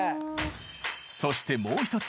そしてもう１つ。